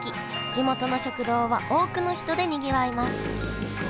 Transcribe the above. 地元の食堂は多くの人でにぎわいます。